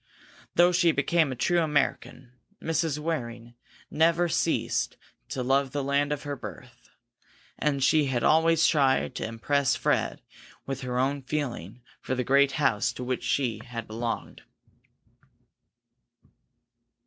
Though she had become a true American, Mrs. Waring had never ceased to love the land of her birth, and she had always tried to impress Fred with her own feeling for the great house to which she had belonged.